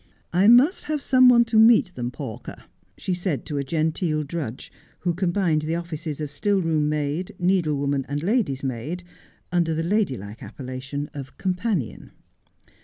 ' I must have some one to meet them, Pawker,' she said to a genteel drudge, who combined the offices of stillroom maid, needlewoman, and lady's maid, under the ladylike appellation of companion.